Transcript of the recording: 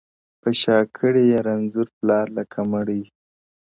په شا کړی یې رنځور پلار لکه مړی،